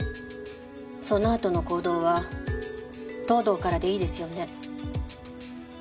そのあとの行動は藤堂からでいいですよね？